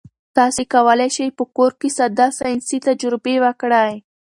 تاسي کولای شئ په کور کې ساده ساینسي تجربې وکړئ.